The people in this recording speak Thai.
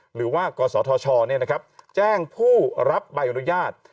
หรือว่ากศธชแจ้งผู้รับใบอนุญาต